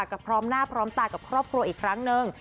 ก็พร้อมหน้าพร้อมตากับครอบครัวอีกครั้งหนึ่ง